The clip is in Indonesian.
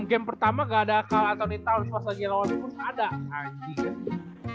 enam game pertama gak ada carl anthony towns pas lagi lawan spurs ada anjing